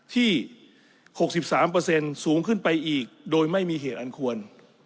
ที่หกสิบสามเปอร์เซ็นต์สูงขึ้นไปอีกโดยไม่มีเหตุอันควร